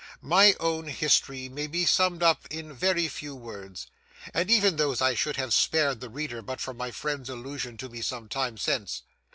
My own history may be summed up in very few words; and even those I should have spared the reader but for my friend's allusion to me some time since.